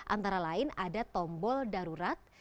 antara lain ada tombol darurat